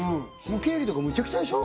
経理とかむちゃくちゃでしょ？